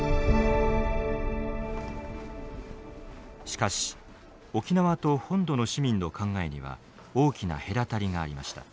しかし沖縄と本土の市民の考えには大きな隔たりがありました。